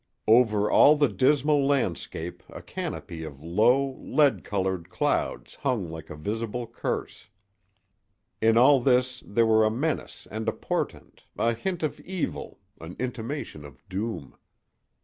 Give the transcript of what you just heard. Over all the dismal landscape a canopy of low, lead colored clouds hung like a visible curse. In all this there were a menace and a portent—a hint of evil, an intimation of doom.